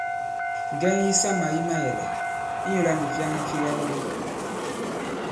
Ŋgɛŋ yisamà yi mayɛ̀là, inyūlā ndǐ fyaŋa fi kaɓom.